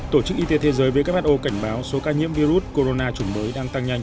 tổ chức y tế thế giới who cảnh báo số ca nhiễm virus corona chủng mới đang tăng nhanh